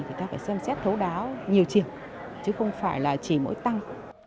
thì ta phải xem xét thấu đáo nhiều chiều chứ không phải là chỉ mỗi tăng